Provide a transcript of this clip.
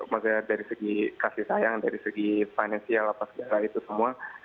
makanya dari segi kasih sayang dari segi finansial apa segala itu semua